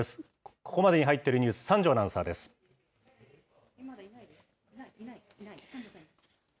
ここまでに入っているニュース、三條アナウンサーです。